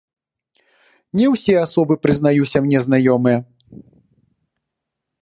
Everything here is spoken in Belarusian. Не ўсе асобы, прызнаюся, мне знаёмыя.